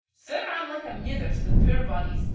Sir, I'm like a mither to the puir bodies!